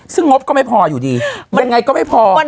ซึ่งงบก็ไม่พออยู่ดียังไงก็ไม่พอ